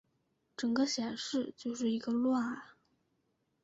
整个显示就是一个乱啊